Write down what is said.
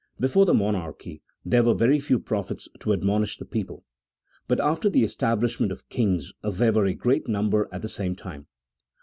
Before the monarchy there were very few prophets to admonish the people, but after the establishment of kings there were a great number at the same time.